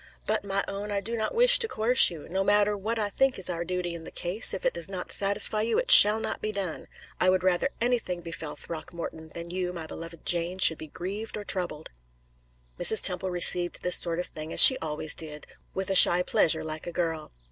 "But, my own, I do not wish to coerce you. No matter what I think is our duty in the case, if it does not satisfy you, it shall not be done. I would rather anything befell Throckmorton, than you, my beloved Jane, should be grieved or troubled." Mrs. Temple received this sort of thing as she always did, with a shy pleasure like a girl.